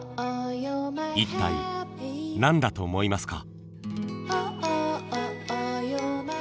一体何だと思いますか？